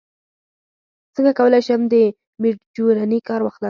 څنګه کولی شم د میډجورني کار واخلم